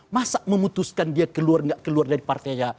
masa memutuskan dia keluar nggak keluar dari partai aja